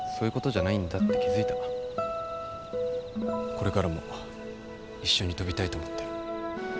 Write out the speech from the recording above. これからも一緒に飛びたいと思ってる。